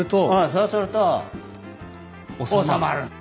そうすると収まる。